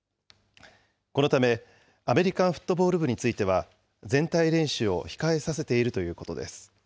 このため、アメリカンフットボール部については、全体練習を控えさせているということです。